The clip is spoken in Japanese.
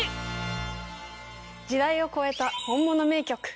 『時代を超えた本物名曲』。